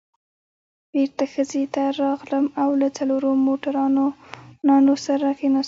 بېرته خزې ته راغلم او له څلورو موټروانانو سره کېناستم.